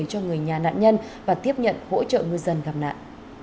cho người nhà nạn nhân và tiếp nhận hỗ trợ ngư dân gặp nạn